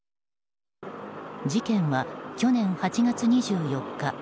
事件は去年８月２４日